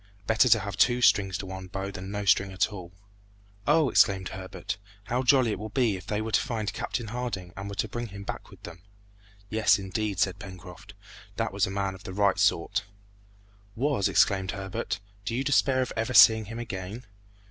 Better to have two strings to one's bow than no string at all!" "Oh!" exclaimed Herbert, "how jolly it will be if they were to find Captain Harding and were to bring him back with them!" "Yes, indeed!" said Pencroft, "that was a man of the right sort." "Was!" exclaimed Herbert, "do you despair of ever seeing him again?"